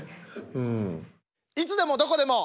「いつでもどこでも」。